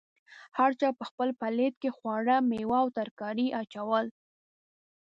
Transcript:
هر چا په خپل پلیټ کې خواړه، میوه او ترکاري اچول.